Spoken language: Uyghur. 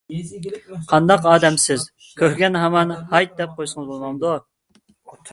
قانداق ئادەمسىز، كۆرگەن ھامان ھايت دەپ قويسىڭىز بولمامدۇ؟